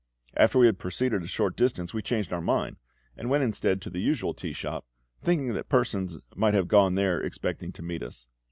After we had proceeded a short distance we changed our minds, and went instead to the usual tea shop, thinking that persons might have gone there expecting to meet us.